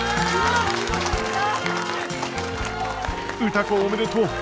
歌子おめでとう！